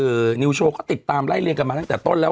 คือนิวโชว์ก็ติดตามไล่เรียงกันมาตั้งแต่ต้นแล้ว